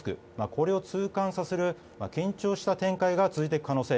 これを痛感させる緊張した展開が続いていく可能性